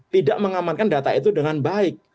tidak mengamankan data itu dengan baik